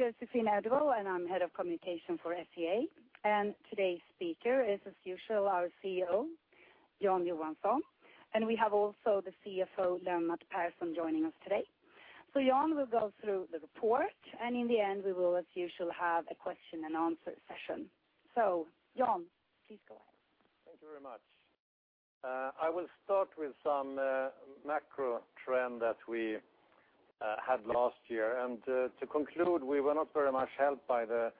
Josefin Edwall, and I'm head of communication for SCA, and today's speaker is, as usual, our CEO, Jan Johansson, and we have also the CFO, Lennart Persson, joining us today. Jan will go through the report, and in the end, we will, as usual, have a question and answer session. Jon, please go ahead. Thank you very much. I will start with some macro trend that we had last year. To conclude, we were not very much helped by the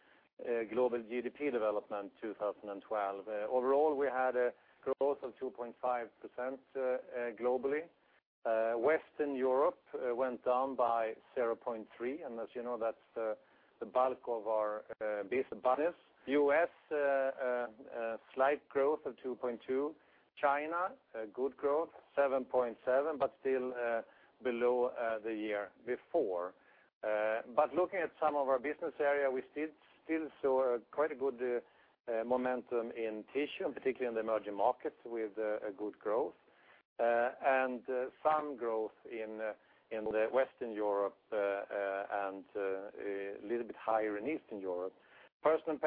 global GDP development 2012. Overall, we had a growth of 2.5% globally. Western Europe went down by 0.3, and as you know, that's the bulk of our business. U.S., slight growth of 2.2. China, good growth, 7.7, but still below the year before. Looking at some of our business area, we still saw a quite good momentum in tissue, and particularly in the emerging markets with a good growth. Some growth in the Western Europe, and a little bit higher in Eastern Europe. Personal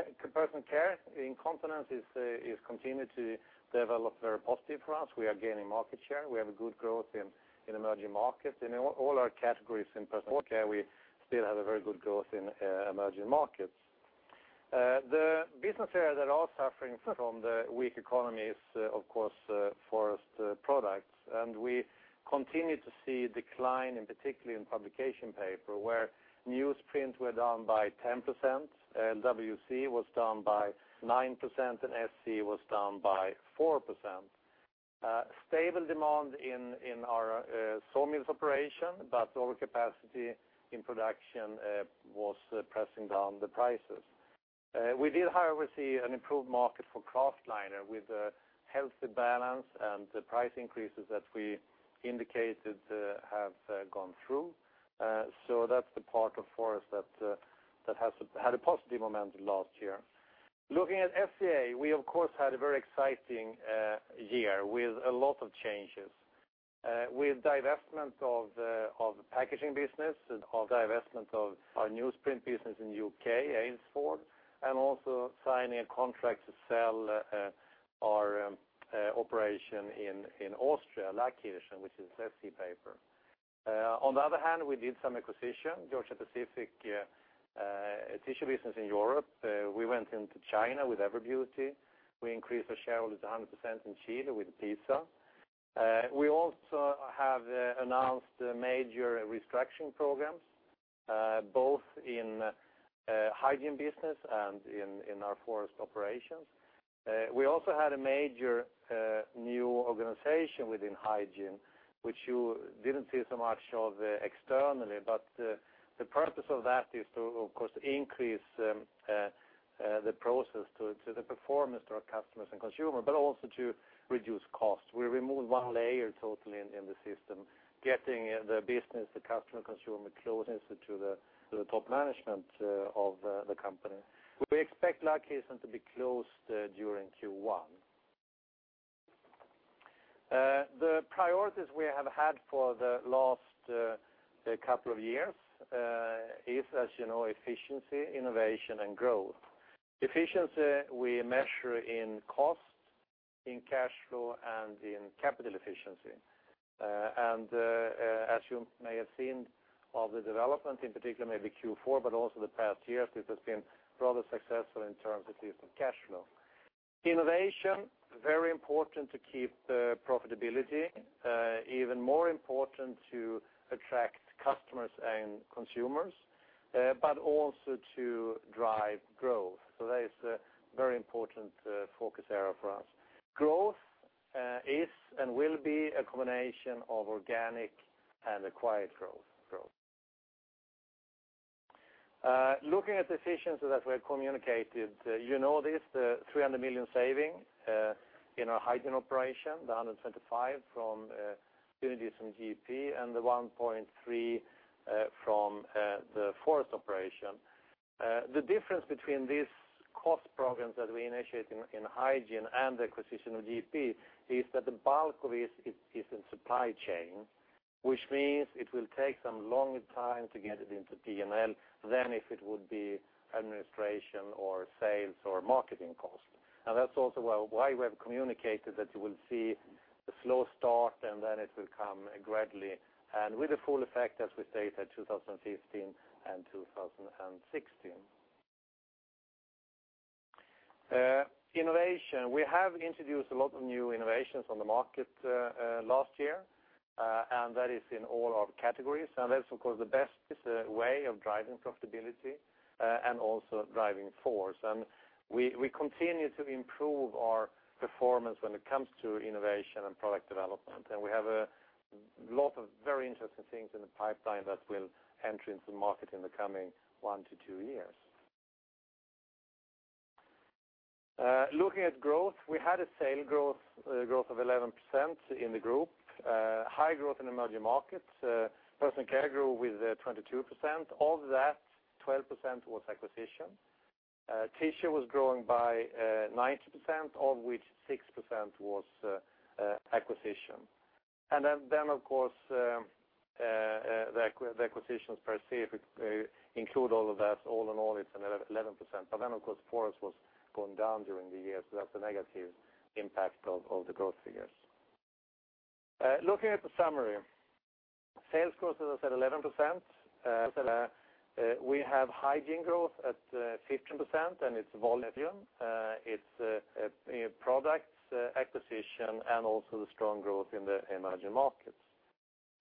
care, incontinence is continue to develop very positive for us. We are gaining market share. We have a good growth in emerging markets. In all our categories in personal care, we still have a very good growth in emerging markets. The business areas that are suffering from the weak economy is, of course, forest products, and we continue to see decline in particularly in publication paper, where newsprint were down by 10%, LWC was down by 9%, SC was down by 4%. Stable demand in our sawmills operation, but overcapacity in production was pressing down the prices. We did, however, see an improved market for kraftliner with a healthy balance, and the price increases that we indicated have gone through. That's the part of forest that had a positive momentum last year. Looking at SCA, we of course, had a very exciting year with a lot of changes. With divestment of the packaging business and of divestment of our newsprint business in U.K., Aylesford, also signing a contract to sell our operation in Austria, Laakirchen, which is SC paper. On the other hand, we did some acquisition, Georgia-Pacific tissue business in Europe. We went into China with Everbeauty. We increased our sharehold to 100% in Chile with PISA. We also have announced major restructuring programs, both in hygiene business and in our forest operations. We also had a major new organization within hygiene, which you didn't see so much of externally, but the purpose of that is to, of course, increase the process to the performance to our customers and consumer, but also to reduce costs. We removed one layer totally in the system, getting the business, the customer, consumer closest to the top management of the company. We expect Laakirchen to be closed during Q1. The priorities we have had for the last couple of years is, as you know, efficiency, innovation and growth. Efficiency we measure in cost, in cash flow, and in capital efficiency. As you may have seen of the development in particular maybe Q4, but also the past years, this has been rather successful in terms of use of cash flow. Innovation, very important to keep the profitability, even more important to attract customers and consumers, but also to drive growth. That is a very important focus area for us. Growth is and will be a combination of organic and acquired growth. Looking at the efficiency that we have communicated, you know this, 300 million saving in our hygiene operation, the 125 from synergies from GP and the 1.3 from the forest operation. The difference between these cost programs that we initiate in hygiene and the acquisition of GP is that the bulk of it is in supply chain, which means it will take some long time to get it into P&L than if it would be administration or sales or marketing cost. That's also why we have communicated that you will see a slow start then it will come gradually with the full effect, as we stated, 2015 and 2016. Innovation. We have introduced a lot of new innovations on the market last year, that is in all our categories. That's, of course, the best way of driving profitability, also driving force. We continue to improve our performance when it comes to innovation and product development. We have a lot of very interesting things in the pipeline that will enter into the market in the coming one to two years. Looking at growth, we had a sale growth of 11% in the group. High growth in emerging markets. Personal care grew with 22%. Of that, 12% was acquisition. Tissue was growing by 9%, of which 6% was acquisition. Of course, the acquisitions per se, if we include all of that, all in all, it's 11%. Of course, Forest was going down during the year, that's a negative impact of the growth figures. Looking at the summary. Sales growth, as I said, 11%. We have Hygiene growth at 15%, it's volume. It's product acquisition also the strong growth in the emerging markets.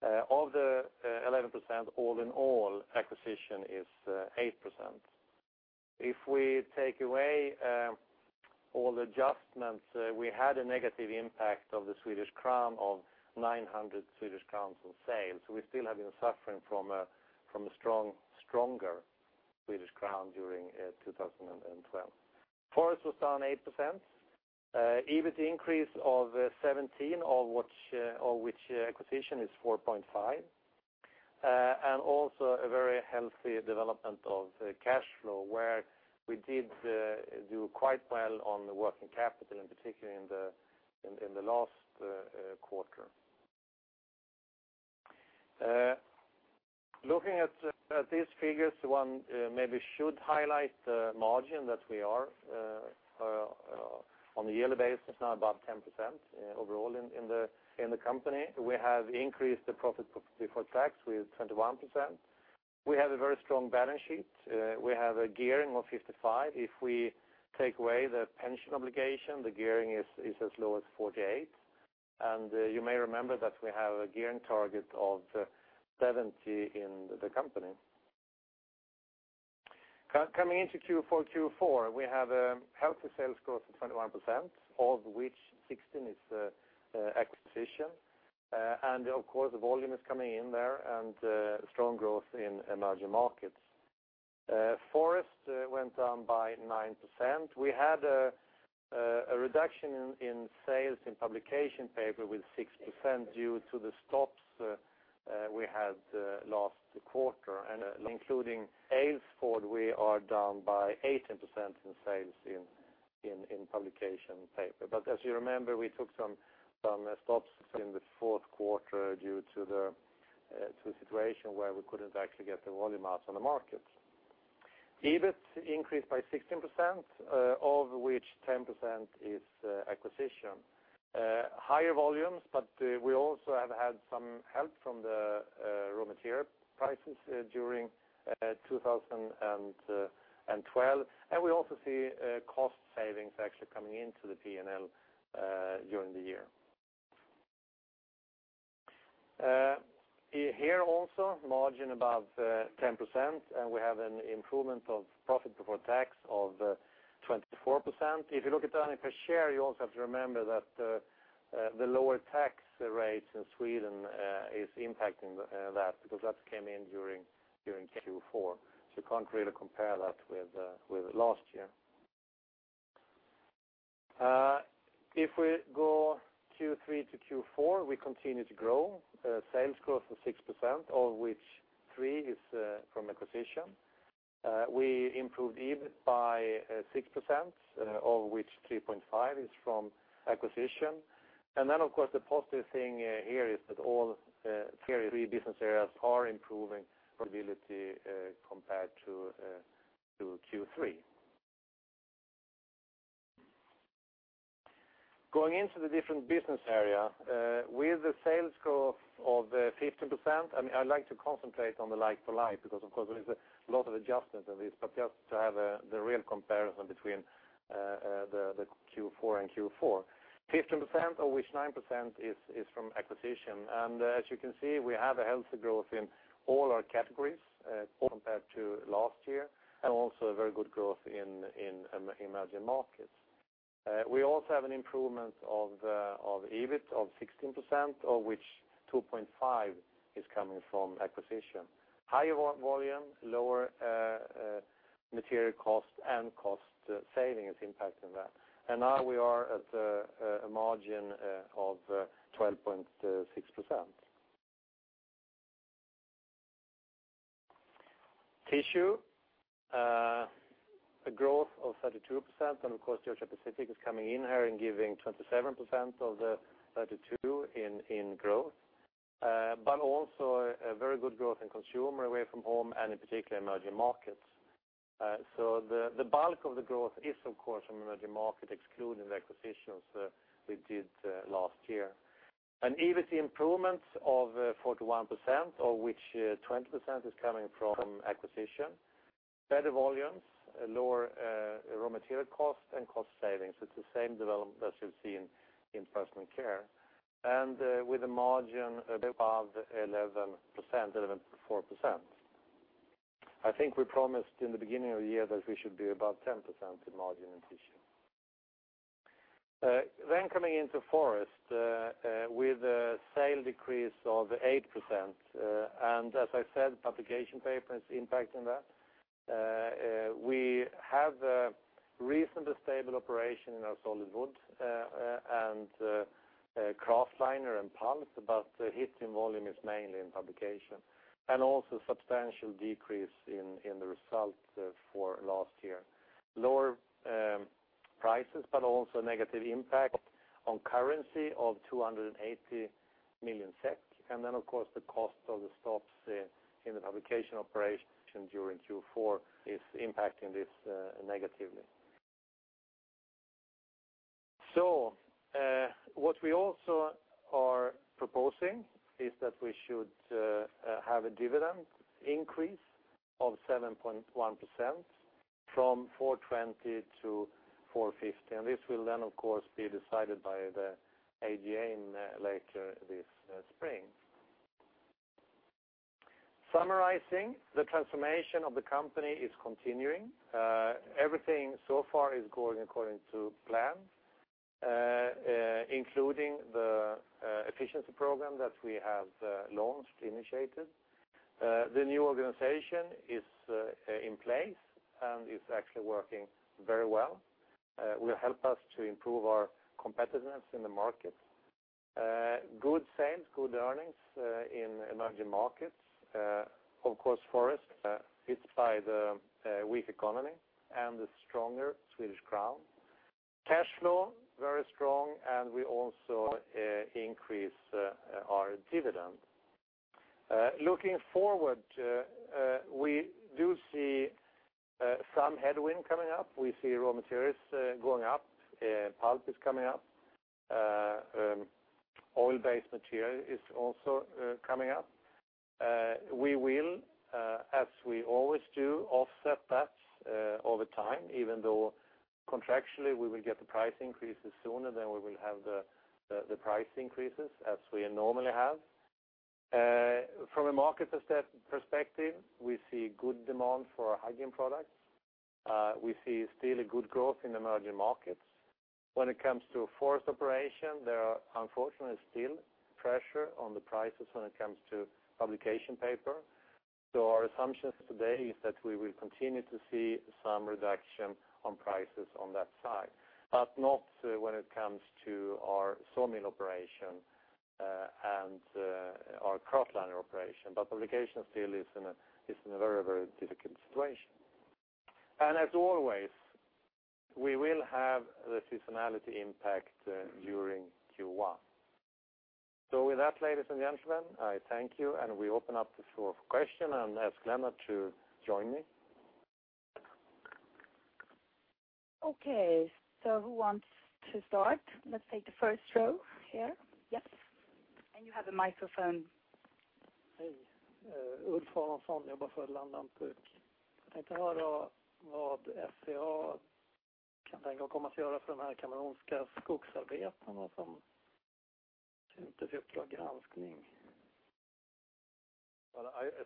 Of the 11%, all in all, acquisition is 8%. If we take away all the adjustments, we had a negative impact of the Swedish crown of 900 Swedish crowns on sales. We still have been suffering from a stronger Swedish crown during 2012. Forest was down 8%. EBIT increase of 17%, of which acquisition is 4.5%. Also a very healthy development of cash flow, where we did do quite well on the working capital, in particular in the last quarter. Looking at these figures, one maybe should highlight the margin that we are on a yearly basis, now above 10% overall in the company. We have increased the profit before tax with 21%. We have a very strong balance sheet. We have a gearing of 55%. If we take away the pension obligation, the gearing is as low as 48%. You may remember that we have a gearing target of 70% in the company. Coming into Q4. We have a healthy sales growth of 21%, of which 16% is acquisition. Of course, the volume is coming in there and strong growth in emerging markets. Forest went down by 9%. We had a reduction in sales in publication paper with 6% due to the stops we had last quarter. Including Aylesford, we are down by 18% in sales in publication paper. As you remember, we took some stops in the fourth quarter due to the situation where we couldn't actually get the volume out on the market. EBIT increased by 16%, of which 10% is acquisition. Higher volumes, but we also have had some help from the raw material prices during 2012. We also see cost savings actually coming into the P&L during the year. Here also, margin above 10%, and we have an improvement of profit before tax of 24%. If you look at earnings per share, you also have to remember that the lower tax rates in Sweden is impacting that because that came in during Q4. You can't really compare that with last year. If we go Q3 to Q4, we continue to grow. Sales growth of 6%, of which 3% is from acquisition. We improved EBIT by 6%, of which 3.5% is from acquisition. Then, of course, the positive thing here is that all three business areas are improving profitability compared to Q3. Going into the different business area, with a sales growth of 15%, I'd like to concentrate on the like-for-like because of course, there is a lot of adjustments in this, but just to have the real comparison between the Q4 and Q4. 15%, of which 9% is from acquisition. As you can see, we have a healthy growth in all our categories compared to last year, and also a very good growth in emerging markets. We also have an improvement of EBIT of 16%, of which 2.5% is coming from acquisition. Higher volume, lower material cost, and cost saving is impacting that. Now we are at a margin of 12.6%. Tissue, a growth of 32%, and of course, Georgia-Pacific is coming in here and giving 27% of the 32% in growth, but also a very good growth in consumer, Away From Home, and in particular, emerging markets. The bulk of the growth is, of course, from emerging market, excluding the acquisitions we did last year. An EBIT improvement of 41%, of which 20% is coming from acquisition. Better volumes, lower raw material cost, and cost savings. It's the same development as you've seen in Personal Care. With a margin above 11%, 11.4%. I think we promised in the beginning of the year that we should be above 10% in margin in Tissue. Coming into Forest, with a sales decrease of 8%. As I said, publication paper is impacting that. We have Recent stable operation in our solid wood and kraftliner and pulp, but the hitting volume is mainly in publication and also substantial decrease in the result for last year. Lower prices, but also negative impact on currency of 280 million SEK. Then, of course, the cost of the stops in the publication operation during Q4 is impacting this negatively. What we also are proposing is that we should have a dividend increase of 7.1% from 420 to 450. This will then, of course, be decided by the AGM later this spring. Summarizing, the transformation of the company is continuing. Everything so far is going according to plan, including the efficiency program that we have launched, initiated. The new organization is in place and is actually working very well, will help us to improve our competitiveness in the market. Good sales, good earnings in emerging markets. Of course, forest hit by the weak economy and the stronger Swedish crown. Cash flow very strong and we also increase our dividend. Looking forward, we do see some headwind coming up. We see raw materials going up. Pulp is coming up. Oil-based material is also coming up. We will, as we always do, offset that over time, even though contractually we will get the price increases sooner than we will have the price increases as we normally have. From a market perspective, we see good demand for our hygiene products. We see still a good growth in emerging markets. When it comes to forest operation, there are unfortunately still pressure on the prices when it comes to publication paper. Our assumptions today is that we will continue to see some reduction on prices on that side, but not when it comes to our saw mill operation and our kraftliner operation. Publication still is in a very difficult situation. As always, we will have the seasonality impact during Q1. With that, ladies and gentlemen, I thank you, and we open up the floor for question and ask Lennart to join me. Okay. Who wants to start? Let's take the first row here. Yes. You have a microphone. Hey. Ulf Aronsson, I work for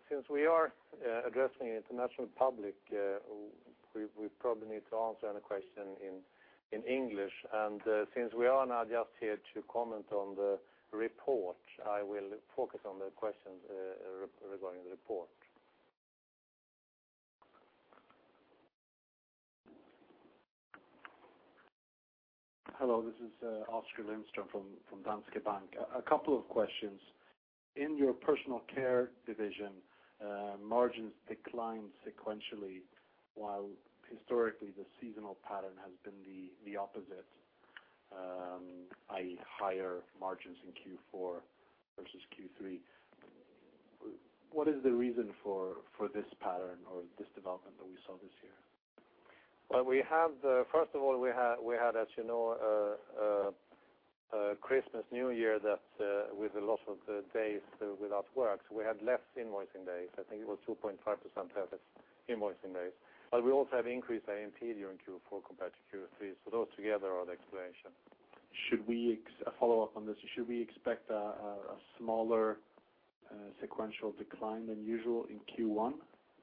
Since we are addressing an international public, we probably need to answer any question in English. Since we are now just here to comment on the report, I will focus on the questions regarding the report. Hello, this is Oskar Lindström from Danske Bank. A couple of questions. In your personal care division, margins declined sequentially while historically the seasonal pattern has been the opposite, i.e. higher margins in Q4 versus Q3. What is the reason for this pattern or this development that we saw this year? Well, first of all, we had, as you know, Christmas, New Year that with a lot of the days without work. We had less invoicing days. I think it was 2.5% less invoicing days. We also have increased A&P during Q4 compared to Q3, those together are the explanation. A follow-up on this. Should we expect a smaller sequential decline than usual in Q1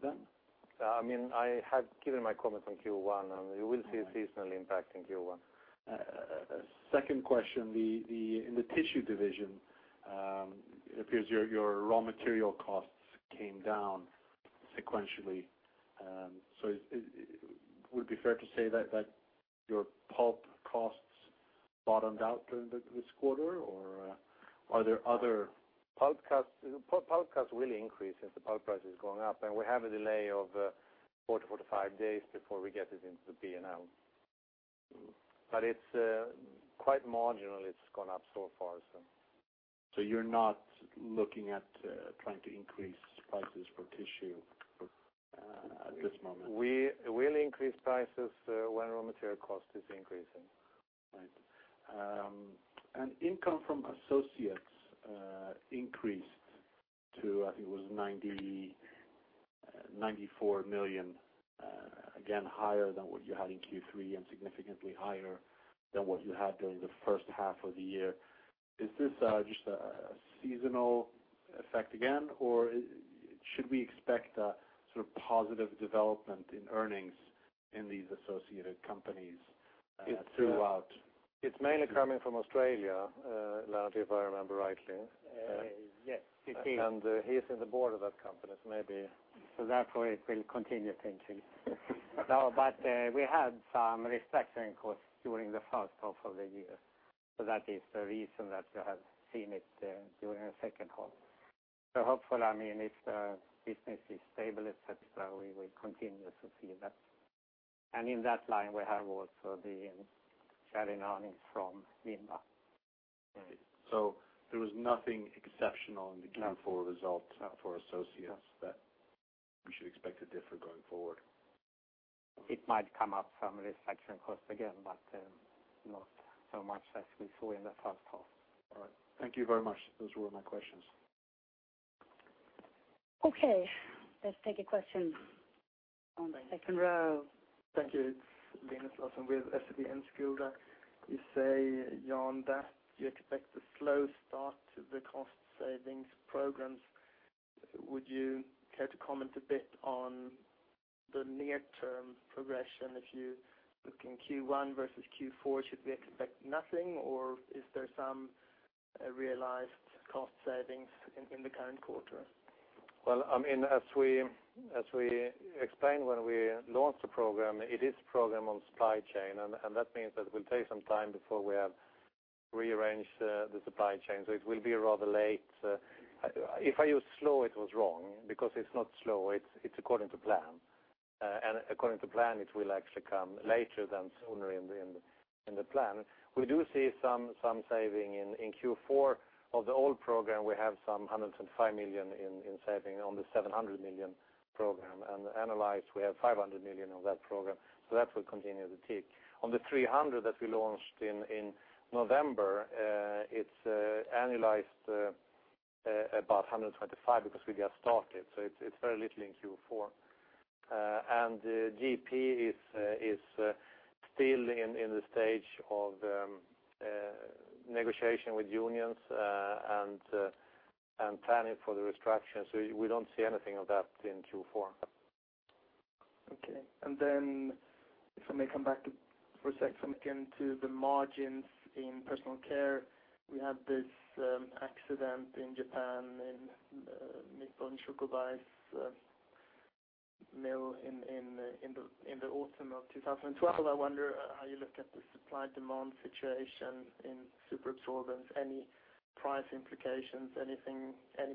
then? I have given my comment on Q1, and you will see a seasonal impact in Q1. Second question, in the tissue division, it appears your raw material costs came down sequentially. Would it be fair to say that your pulp costs bottomed out during this quarter? Pulp costs really increase since the pulp price is going up, and we have a delay of 40-45 days before we get it into the P&L. It's quite marginal it's gone up so far. You're not looking at trying to increase prices for tissue at this moment? We will increase prices when raw material cost is increasing. Right. Income from associates increased to, I think it was 94 million, again, higher than what you had in Q3 and significantly higher than what you had during the first half of the year. Is this just a seasonal effect again, or should we expect a sort of positive development in earnings in these associated companies? It's throughout. It's mainly coming from Australia, Lennart, if I remember rightly. Yes, it is. He is in the board of that company, so maybe. Therefore it will continue pinching. We had some restructuring costs during the first half of the year, so that is the reason that you have seen it during the second half. Hopefully, if the business is stable, et cetera, we will continue to see that. In that line, we have also the carrying earnings from Vinda. Right. There was nothing exceptional in the Q4 result for associates that we should expect to differ going forward? It might come up from restructuring costs again, but not so much as we saw in the first half. All right. Thank you very much. Those were my questions. Okay. Let's take a question on the second row. Thank you. It's Linus Larsson with SEB Enskilda. You say, Jan, that you expect a slow start to the cost savings programs. Would you care to comment a bit on the near-term progression? If you're looking Q1 versus Q4, should we expect nothing, or are there some realized cost savings in the current quarter? Well, as we explained when we launched the program, it is a program on supply chain, that means that it will take some time before we have rearranged the supply chain. It will be rather late. If I used slow, it was wrong, because it's not slow, it's according to plan. According to plan, it will actually come later than sooner in the plan. We do see some saving in Q4. Of the old program, we have some €125 million in saving on the €700 million program, and annualized, we have €500 million of that program, so that will continue to tick. On the €300 that we launched in November, it's annualized about €125 because we just started, so it's very little in Q4. GP is still in the stage of negotiation with unions and planning for the restructuring, so we don't see anything of that in Q4. Okay. Then if I may come back for a sec, again, to the margins in personal care, we had this accident in Japan, in Nippon Shokubai's mill in the autumn of 2012. I wonder how you look at the supply-demand situation in superabsorbents. Any price implications? Any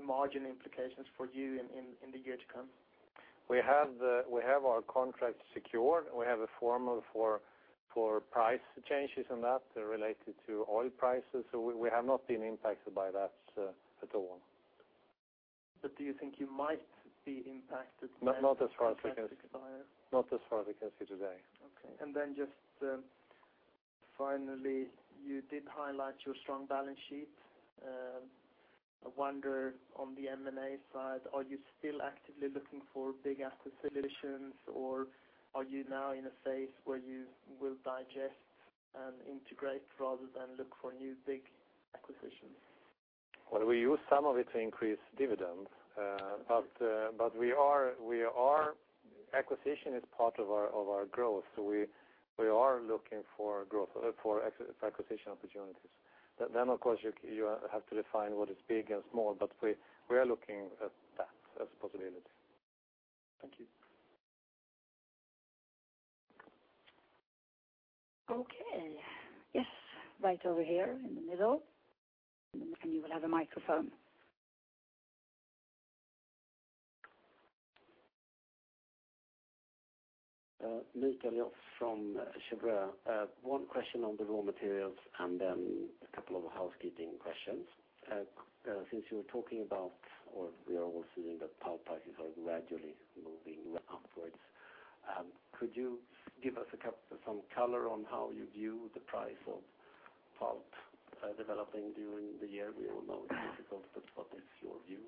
margin implications for you in the year to come? We have our contract secured. We have a formula for price changes, that related to oil prices, we have not been impacted by that at all. Do you think you might be impacted? Not as far as I can see. Next time it expires? Not as far as I can see today. Okay. Just finally, you did highlight your strong balance sheet. I wonder on the M&A side, are you still actively looking for big acquisitions, or are you now in a phase where you will digest and integrate rather than look for new big acquisitions? Well, we use some of it to increase dividends, but acquisition is part of our growth. We are looking for acquisition opportunities. Of course, you have to define what is big and small, but we are looking at that as a possibility. Thank you. Okay. Yes. Right over here in the middle, you will have a microphone. Luke Elliott from Cheuvreux. One question on the raw materials. Then a couple of housekeeping questions. Since you were talking about, or we are all seeing that pulp prices are gradually moving upwards, could you give us some color on how you view the price of pulp developing during the year? We all know it's difficult, but what is your view?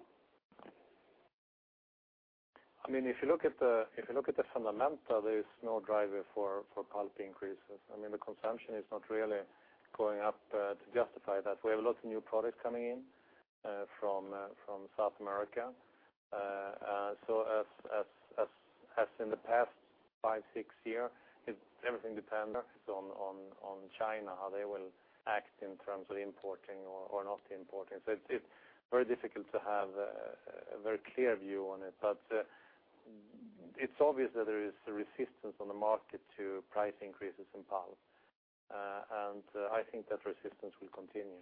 If you look at the fundamentals, there is no driver for pulp increases. The consumption is not really going up to justify that. We have lots of new product coming in from South America. As in the past five, six years, everything depends on China, how they will act in terms of importing or not importing. It's very difficult to have a very clear view on it. It's obvious that there is a resistance on the market to price increases in pulp, and I think that resistance will continue.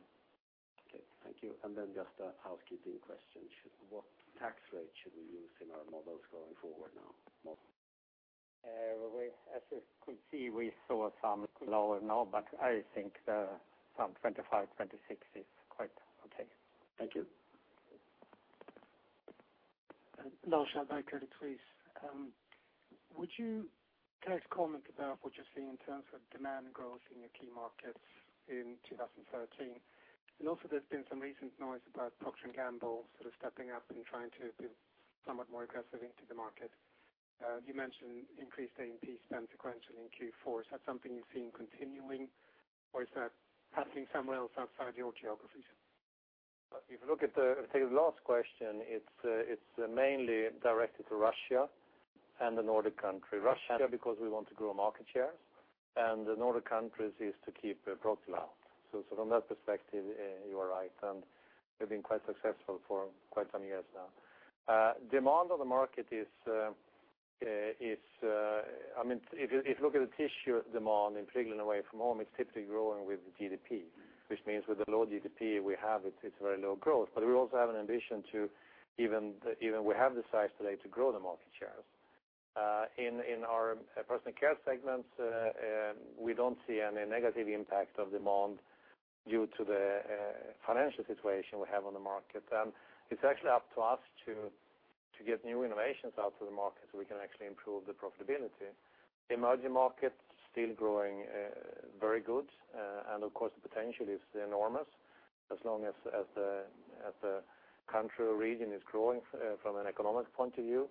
Okay. Thank you. Then just a housekeeping question. What tax rate should we use in our models going forward now? As you could see, we saw some lower now, but I think some 25, 26 is quite okay. Thank you. Lars Schei from Credit Suisse. Would you care to comment about what you're seeing in terms of demand growth in your key markets in 2013? Also, there's been some recent noise about Procter & Gamble sort of stepping up and trying to be somewhat more aggressive into the market. You mentioned increased A&P spend sequentially in Q4. Is that something you're seeing continuing, or is that happening somewhere else outside your geographies? If you look at the last question, it's mainly directed to Russia and the Nordic country, Russia, because we want to grow market shares, and the Nordic countries is to keep profitability. From that perspective, you are right, and we've been quite successful for quite some years now. Demand on the market, if you look at the tissue demand in, particularly, in Away From Home, it's typically growing with the GDP, which means with the low GDP we have, it's very low growth. We also have an ambition to, even we have the size today, to grow the market shares. In our Personal Care segments, we don't see any negative impact of demand due to the financial situation we have on the market. It's actually up to us to get new innovations out to the market so we can actually improve the profitability. Emerging markets still growing very good. Of course, the potential is enormous as long as the country or region is growing from an economic point of view.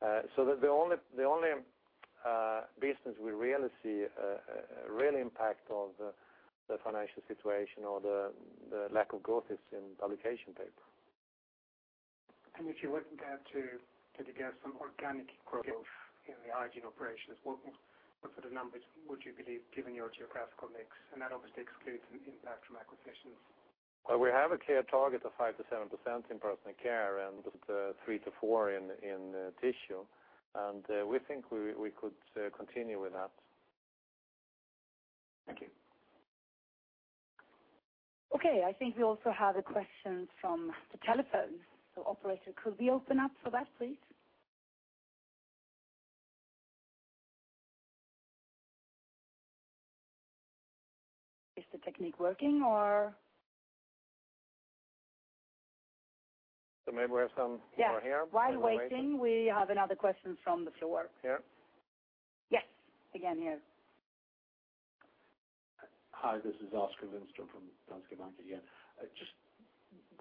The only business we really see a real impact of the financial situation or the lack of growth is in publication paper. If you weren't there to get some organic growth in the hygiene operations, what sort of numbers would you believe given your geographical mix? That obviously excludes an impact from acquisitions. We have a clear target of 5%-7% in Personal Care and 3%-4% in tissue. We think we could continue with that. Thank you. Okay. I think we also have a question from the telephone. Operator, could we open up for that, please? Is the technique working or maybe we have some over here. Yeah. While waiting, we have another question from the floor. Here? Yes, again, here. Hi, this is Oskar Lindström from DNB again. I just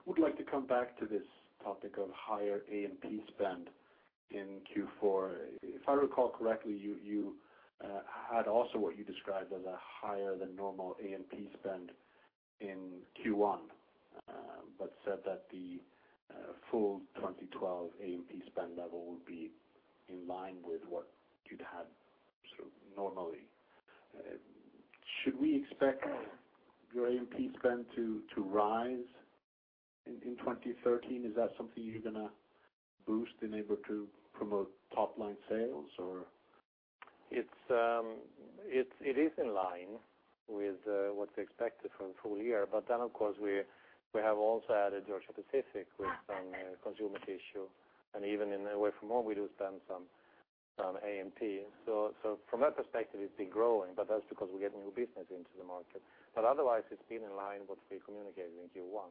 would like to come back to this topic of higher A&P spend in Q4. I recall correctly, you had also what you described as a higher than normal A&P spend in Q1, but said that the full 2012 A&P spend level would be in line with what you'd had sort of normally. We expect your A&P spend to rise in 2013? That something you're going to boost in able to promote top-line sales or? It is in line with what's expected for the full year. Of course, we have also added Georgia-Pacific with some consumer tissue, and even in Away From Home, we do spend some A&P. From that perspective, it's been growing, but that's because we get new business into the market. Otherwise, it's been in line what we communicated in Q1.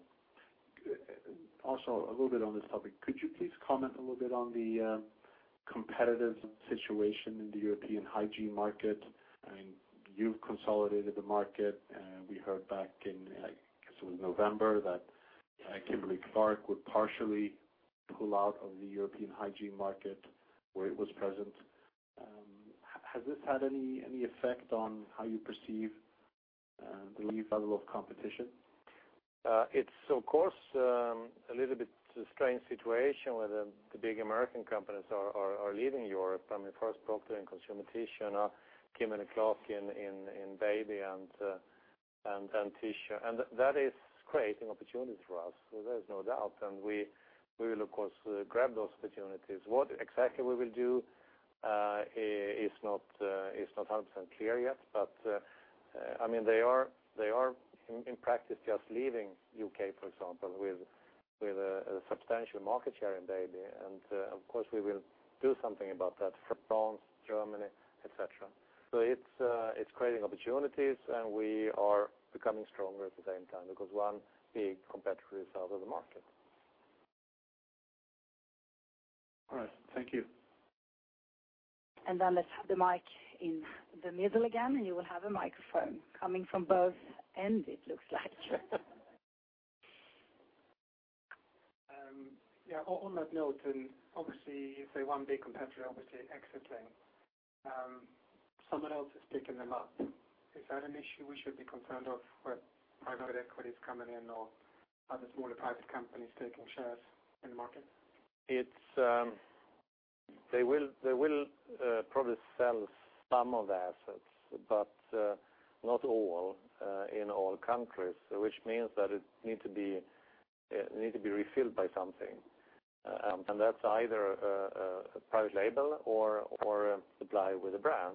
A little bit on this topic, could you please comment a little bit on the competitive situation in the European hygiene market? You've consolidated the market. We heard back in, I guess it was November, that Kimberly-Clark would partially pull out of the European hygiene market where it was present. Has this had any effect on how you perceive the new level of competition? It's of course, a little bit strange situation where the big American companies are leaving Europe. I mean, first Procter in consumer tissue, now Kimberly-Clark in baby and tissue. That is creating opportunity for us, so there's no doubt, and we will of course, grab those opportunities. What exactly we will do is not 100% clear yet, but they are in practice just leaving U.K., for example, with a substantial market share in baby. Of course, we will do something about that for France, Germany, et cetera. It's creating opportunities, and we are becoming stronger at the same time because one big competitor is out of the market. All right. Thank you. Let's have the mic in the middle again, and you will have a microphone coming from both ends it looks like. On that note, if the one big competitor obviously exiting, someone else is picking them up. Is that an issue we should be concerned of, where private equity is coming in or other smaller private companies taking shares in the market? They will probably sell some of the assets, but not all in all countries, which means that it need to be refilled by something, and that's either a private label or a supply with a brand.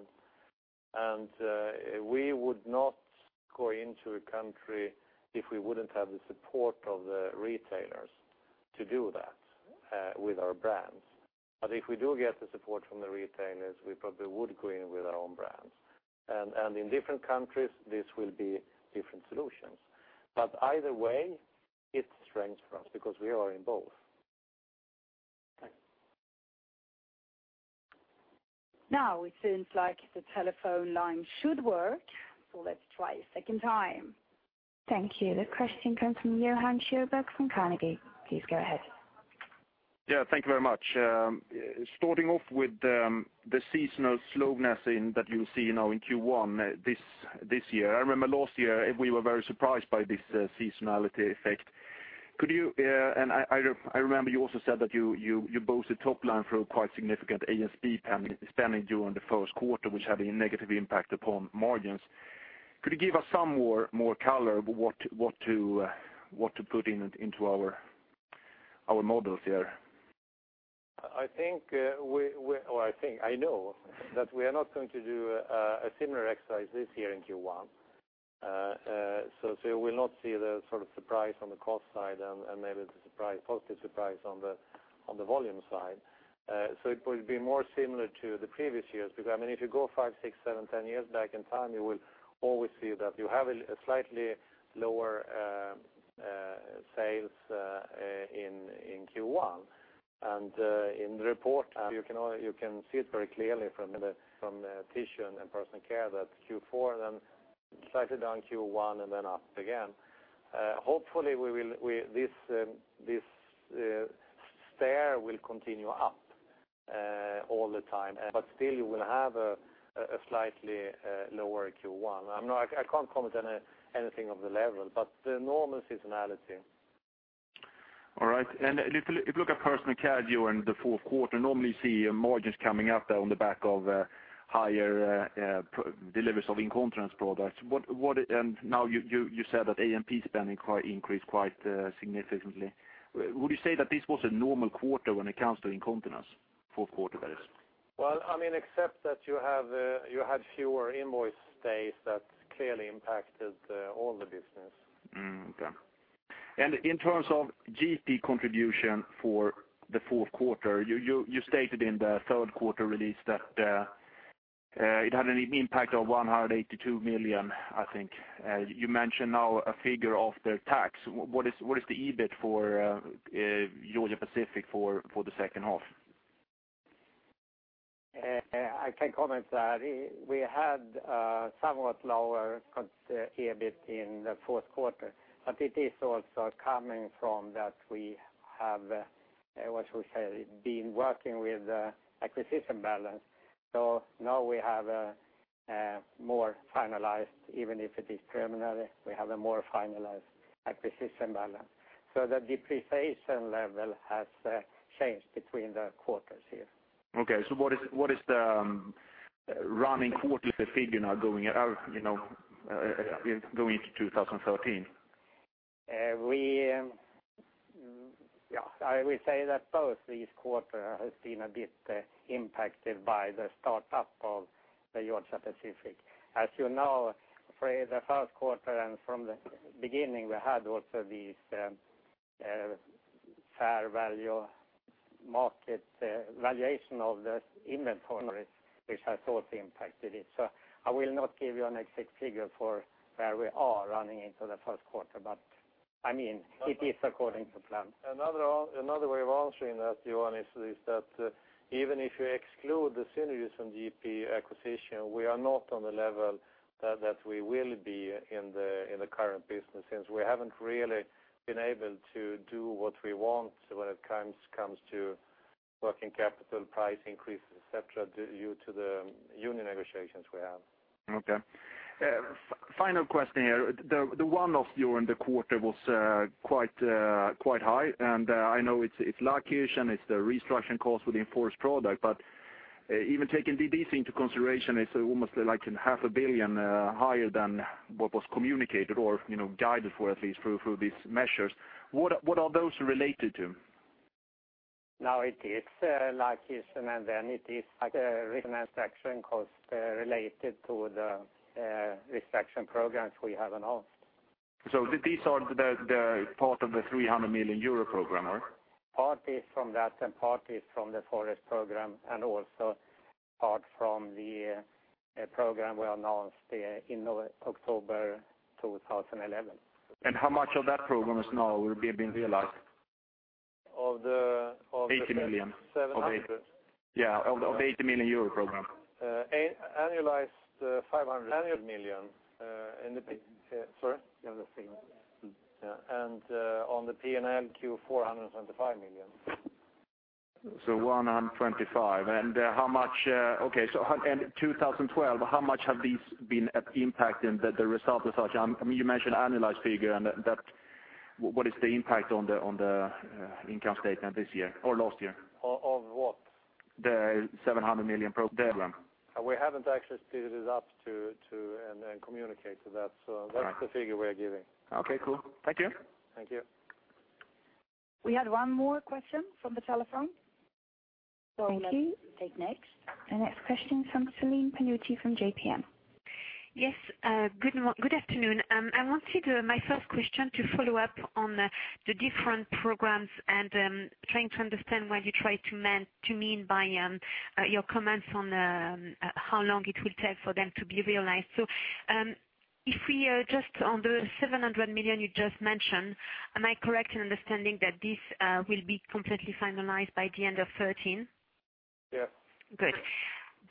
We would not go into a country if we wouldn't have the support of the retailers to do that with our brands. If we do get the support from the retailers, we probably would go in with our own brands. In different countries, this will be different solutions. Either way, it's strength for us because we are in both. Thank you. It seems like the telephone line should work, so let's try a second time. Thank you. The question comes from Johan Sjöberg from Carnegie. Please go ahead. Thank you very much. Starting off with the seasonal slowness that you see now in Q1 this year. I remember last year we were very surprised by this seasonality effect. I remember you also said that you boosted top line through quite significant A&P spending during the first quarter, which had a negative impact upon margins. Could you give us some more color what to put into our models here? I know that we are not going to do a similar exercise this year in Q1. You will not see the sort of surprise on the cost side and maybe the positive surprise on the volume side. It will be more similar to the previous years because if you go five, six, seven, 10 years back in time, you will always see that you have a slightly lower sales in Q1. In the report, you can see it very clearly from the tissue and personal care that Q4 then slightly down Q1 and then up again. Hopefully, this stair will continue up all the time. Still you will have a slightly lower Q1. I can't comment on anything of the level, but the normal seasonality. Right. If you look at personal care during the fourth quarter, normally you see margins coming up on the back of higher deliveries of incontinence products. Now you said that A&P spending increased quite significantly. Would you say that this was a normal quarter when it comes to incontinence, fourth quarter, that is? Except that you had fewer invoice days, that clearly impacted all the business. In terms of GP contribution for the fourth quarter, you stated in the third quarter release that it had an impact of 182 million, I think. You mentioned now a figure after tax. What is the EBIT for Georgia-Pacific for the second half? I can comment that we had a somewhat lower EBIT in the fourth quarter, it is also coming from that we have, what should we say, been working with acquisition balance. Now we have a more finalized, even if it is preliminary, we have a more finalized acquisition balance. The depreciation level has changed between the quarters here. Okay. What is the running quarterly figure now going into 2013? I will say that both these quarters have been a bit impacted by the startup of the Georgia-Pacific. As you know, for the first quarter and from the beginning, we had also these fair value market valuation of the inventory, which has also impacted it. I will not give you an exact figure for where we are running into the first quarter. It is according to plan. Another way of answering that, Johan, is that even if you exclude the synergies from GP acquisition, we are not on the level that we will be in the current business since we haven't really been able to do what we want when it comes to working capital price increases, et cetera, due to the union negotiations we have. Okay. Final question here. The one off during the quarter was quite high, and I know it's Laakirchen and it's the restructuring cost for the Forest product, even taking these into consideration, it's almost like SEK half a billion higher than what was communicated or guided for at least through these measures. What are those related to? Now it is Laakirchen and then it is a restructure and cost related to the restructuring programs we have announced. These are the part of the 300 million euro Program, right? Part is from that and part is from the Forest Program and also part from the Program we announced in October 2011. How much of that Program now will be being realized? Of the. 80 million. 700. Yeah, of the 80 million euro program. Annualized 500 million. Annual. Sorry? Yeah, the same. On the P&L Q4, 125 million. SEK 125. Okay. In 2012, how much have these been impacting the result as such? You mentioned annualized figure, what is the impact on the income statement this year or last year? Of what? The 700 million program. We haven't actually speeded it up to, and then communicated that. That's the figure we are giving. Okay, cool. Thank you. Thank you. We had one more question from the telephone. Thank you. Let's take next. The next question's from Celine Pannuti from JPM. Yes. Good afternoon. I wanted my first question to follow up on the different programs and trying to understand what you try to mean by your comments on how long it will take for them to be realized. If we are just on the 700 million you just mentioned, am I correct in understanding that this will be completely finalized by the end of 2013? Yeah. Good.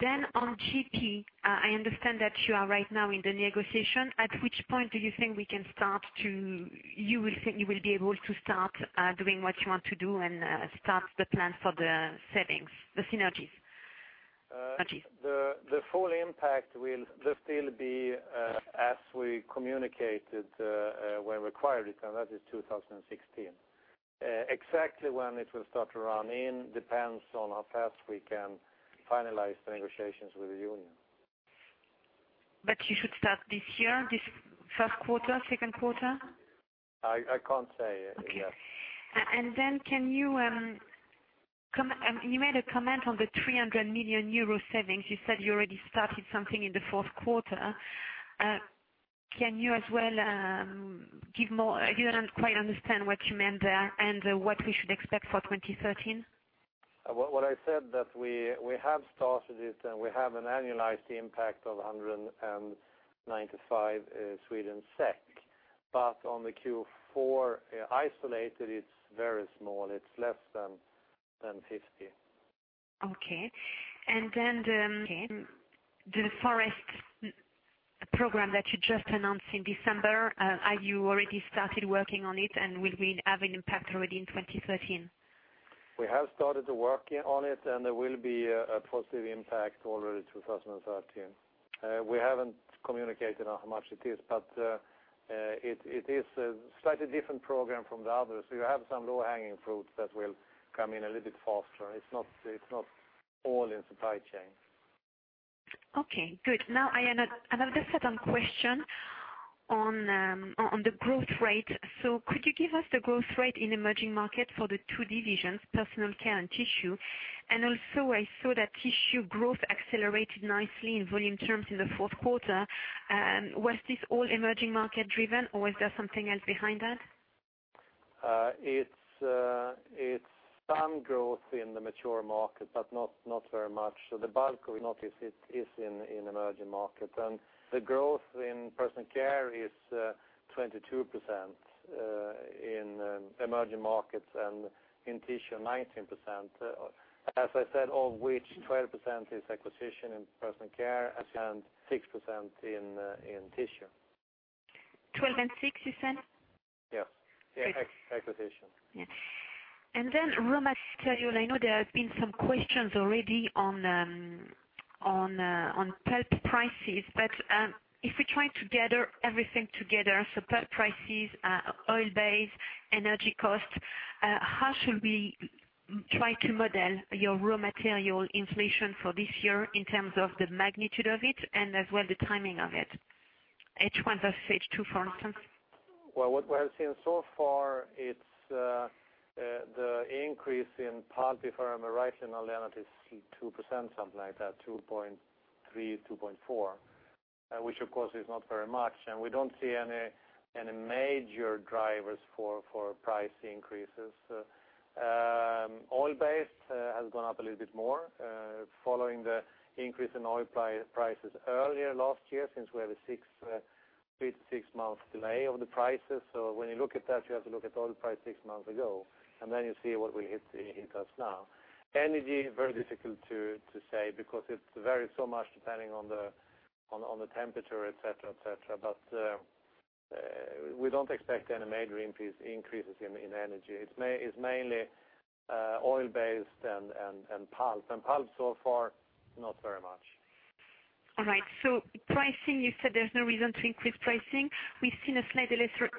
On GP, I understand that you are right now in the negotiation. At which point do you think you will be able to start doing what you want to do and start the plan for the synergies? The full impact will still be as we communicated when we acquired it, and that is 2016. Exactly when it will start to run in depends on how fast we can finalize the negotiations with the union. You should start this year, this first quarter, second quarter? I can't say. Okay. You made a comment on the 300 million euro savings. You said you already started something in the fourth quarter. I didn't quite understand what you meant there and what we should expect for 2013. What I said that we have started it, we have an annualized impact of SEK 195. On the Q4 isolated, it's very small. It's less than 50. Okay. The forest program that you just announced in December, have you already started working on it, will we have an impact already in 2013? We have started the work on it, there will be a positive impact already 2013. We haven't communicated how much it is, it is a slightly different program from the others. We have some low-hanging fruit that will come in a little bit faster. It's not all in supply chain. Okay, good. I have another set of questions on the growth rate. Could you give us the growth rate in emerging markets for the two divisions, Personal Care and Tissue? I saw that tissue growth accelerated nicely in volume terms in the fourth quarter. Was this all emerging market driven, or was there something else behind that? It's some growth in the mature market, but not very much. The bulk of it is in emerging markets, the growth in Personal Care is 22% in emerging markets, and in Tissue, 19%. As I said, of which 12% is acquisition in Personal Care and 6% in Tissue. 12 and 6 you said? Yeah. Acquisition. Yes. Raw material. I know there have been some questions already on pulp prices. If we try to gather everything together, pulp prices, oil base, energy cost, how should we try to model your raw material inflation for this year in terms of the magnitude of it and as well the timing of it? H1 versus H2, for instance. Well, what we have seen so far, the increase in pulp if I remember right, Lennart, is 2%, something like that, 2.3, 2.4. Which of course is not very much. We don't see any major drivers for price increases. Oil based has gone up a little bit more, following the increase in oil prices earlier last year, since we have a six-month delay of the prices. When you look at that, you have to look at oil price six months ago, and then you see what will hit us now. Energy, very difficult to say because it varies so much depending on the temperature, et cetera. We don't expect any major increases in energy. It's mainly oil based and pulp. Pulp so far, not very much. All right. Pricing, you said there's no reason to increase pricing. We've seen a slight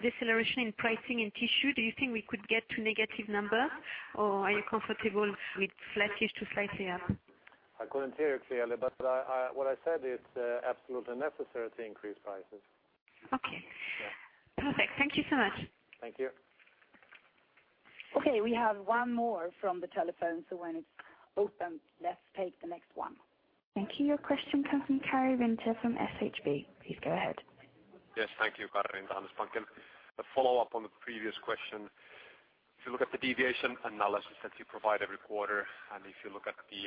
deceleration in pricing in tissue. Do you think we could get to negative number, or are you comfortable with flattish to slightly up? I couldn't hear you clearly, what I said, it's absolutely necessary to increase prices. Okay. Yeah. Perfect. Thank you so much. Thank you. Okay, we have one more from the telephone. When it's open, let's take the next one. Thank you. Your question comes from Kari Vinter from Handelsbanken. Please go ahead. Yes. Thank you, Kari Vinter, Handelsbanken. A follow-up on the previous question. If you look at the deviation analysis that you provide every quarter, and if you look at the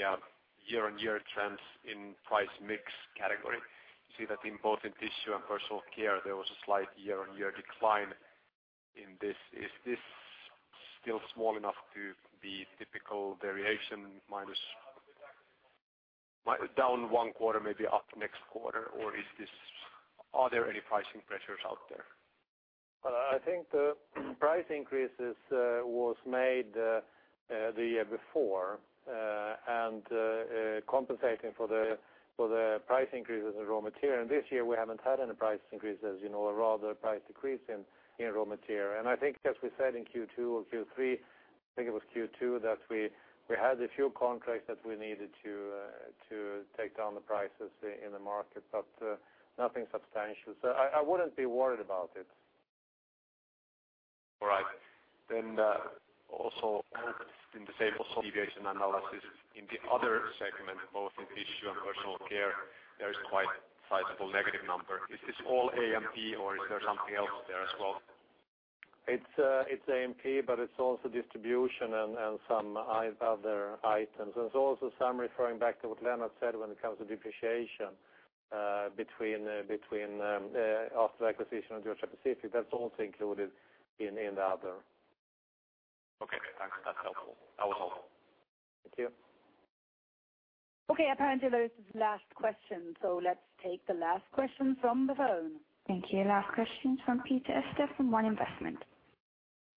year-on-year trends in price mix category, you see that both in Tissue and Personal Care, there was a slight year-on-year decline in this. Is this still small enough to be typical variation down one quarter, maybe up next quarter, or are there any pricing pressures out there? I think the price increases was made the year before, compensating for the price increases in raw material. This year, we haven't had any price increases, or rather price decrease in raw material. I think as we said in Q2 or Q3, I think it was Q2, that we had a few contracts that we needed to take down the prices in the market, nothing substantial. I wouldn't be worried about it. All right. Also in the table deviation analysis in the other segment, both in Tissue and Personal Care, there is quite sizable negative number. Is this all A&P or is there something else there as well? It's A&P, it's also distribution and some other items. It's also some referring back to what Lennart said when it comes to depreciation after the acquisition of Georgia-Pacific. That's also included in the other. Okay, thanks. That's helpful. That was all. Thank you. Okay, apparently that was the last question. Let's take the last question from the phone. Thank you. Last question from Peter Este from One Investment.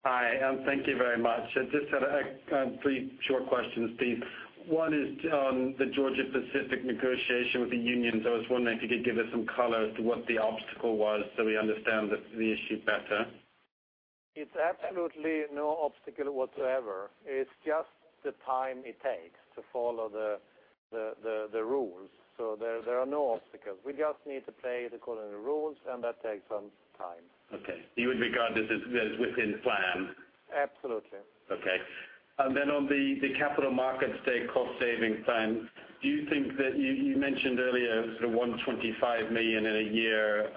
Hi, thank you very much. I just had three short questions, please. One is on the Georgia-Pacific negotiation with the unions. I was wondering if you could give us some color as to what the obstacle was so we understand the issue better. It's absolutely no obstacle whatsoever. It's just the time it takes to follow the rules. There are no obstacles. We just need to play according to rules, and that takes some time. Okay. You would regard this as within plan? Absolutely. Okay. On the capital markets day cost savings plan, you mentioned earlier sort of 125 million in a year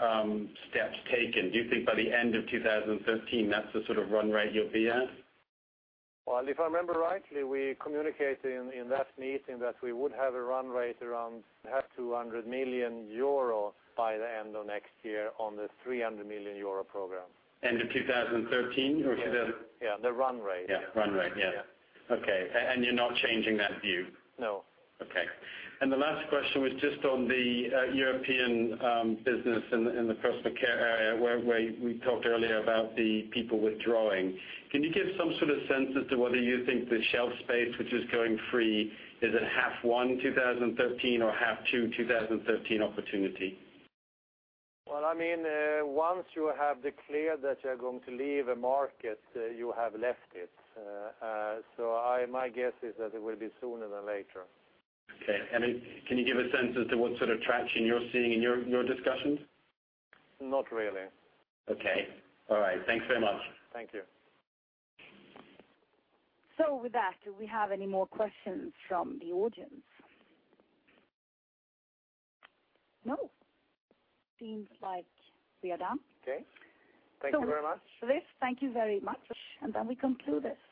steps taken. Do you think by the end of 2013 that's the sort of run rate you'll be at? Well, if I remember rightly, we communicated in that meeting that we would have a run rate around 200 million euro by the end of next year on the 300 million euro program. End of 2013? Yeah. The run rate. Yeah. Run rate. Yeah. Okay. You're not changing that view? No. Okay. The last question was just on the European business in the personal care area, where we talked earlier about the people withdrawing. Can you give some sort of sense as to whether you think the shelf space which is going free, is it half one 2013 or half two 2013 opportunity? Well, once you have declared that you're going to leave a market, you have left it. My guess is that it will be sooner than later. Okay. Can you give a sense as to what sort of traction you're seeing in your discussions? Not really. Okay. All right. Thanks very much. Thank you. With that, do we have any more questions from the audience? No. Seems like we are done. Okay. Thank you very much. Ulf, thank you very much. We conclude this.